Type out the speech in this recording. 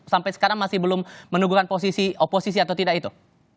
sampai sekarang masih belum menunggukan posisi oposisi atau tidak itu